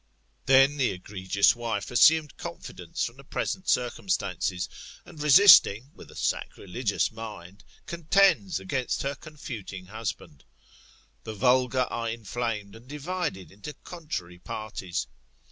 Then the egregious wife assumed confidence from the present circum stances, and resisting, with a sacrilegious mind, contends against her confuting husband. The vulgar are inflamed, and divided into contrary parties.